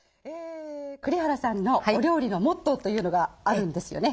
栗原さんのお料理のモットーというのがあるんですよね？